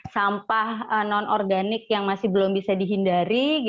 sampah non organik yang masih belum bisa dihindari